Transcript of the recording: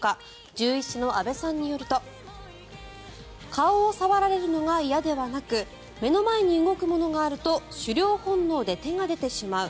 獣医師の阿部さんによると顔を触られるのが嫌ではなく目の前に動くものがあると狩猟本能で手が出てしまう。